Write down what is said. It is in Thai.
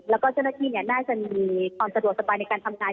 และเมื่อกี๊น่าจะมีความสะดวกสบายในการทำงาน